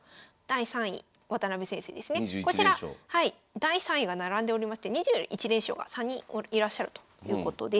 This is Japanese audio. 第３位が並んでおりまして２１連勝が３人いらっしゃるということです。